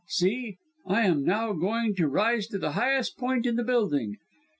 See, I am now going to rise to the highest point in the building.